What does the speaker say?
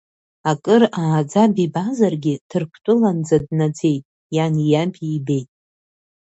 Акыр ааӡаб ибазаргьы, Ҭырқәтәыланӡа днаӡеит, иани иаби ибеит.